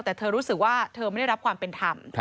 แต่เธอรู้สึกว่าเธอไม่ได้รับความเป็นธรรม